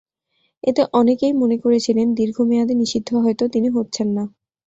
এতে অনেকেই মনে করেছিলেন, দীর্ঘ মেয়াদে নিষিদ্ধ হয়তো তিনি হচ্ছেন না।